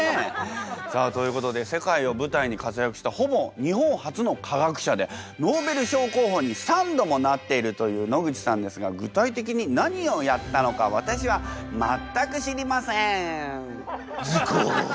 さあということで世界を舞台に活躍したほぼ日本初の科学者でノーベル賞候補に３度もなっているという野口さんですが具体的に何をやったのか私はズコ！